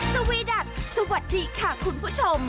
สวีดัทสวัสดีค่ะคุณผู้ชม